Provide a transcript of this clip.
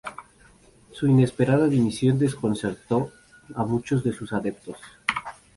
Su inesperada dimisión desconcertó a muchos de sus adeptos.